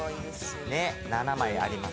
７枚あります。